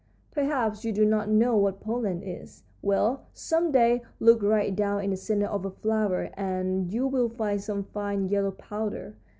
Perhaps you do not know what pollen is. Well, some day look right down in the centre of a flower and you will find some fine yellow powder.